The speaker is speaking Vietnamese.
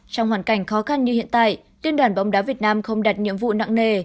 trong hoàn cảnh khó khăn như hiện tại liên đoàn bóng đá việt nam không đặt nhiệm vụ nặng nề